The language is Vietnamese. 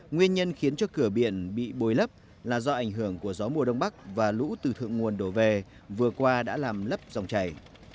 nguyên nhân khiến cho cửa biển bị bồi lấp là do ảnh hưởng của gió mùa đông bắc và lũ từ thượng nguồn đổ về vừa qua đã làm lấp dòng chảy